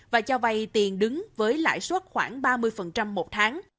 và cho vay tiền đứng với lãi suất khoảng ba mươi một tháng